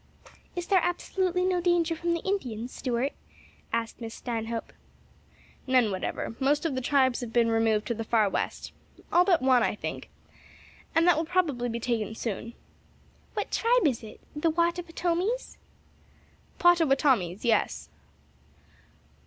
"Is there absolutely no danger from the Indians, Stuart?" asked Miss Stanhope. "None whatever; most of the tribes have been removed to the far west; all but one, I think, and that will probably be taken soon." "What tribe is it? the Wottapottamies?" "Pottawottamies; yes."